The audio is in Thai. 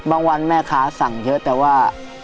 วันแม่ค้าสั่งเยอะแต่ว่า